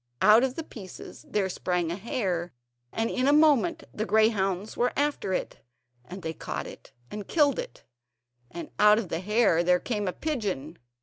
Out of the pieces there sprang a hare, and in a moment the greyhounds were after it, and they caught it and killed it; and out of the hare there came a pigeon.